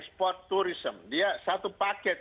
sport tourism dia satu paket